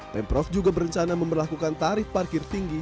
pemprov juga berencana memperlakukan tarif parkir tinggi